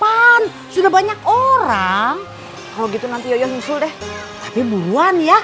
pan sudah banyak orang kalau gitu nanti yoyo nyusul deh tapi buruan ya